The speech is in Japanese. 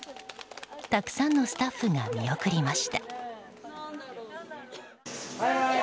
たくさんのスタッフが見送りました。